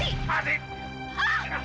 tidak boleh ngajurin rencana aku